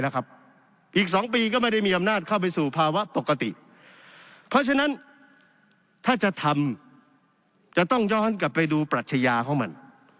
และถ้าจะทำจะต้องย้อนกลับไปดูปรัชญาของมัน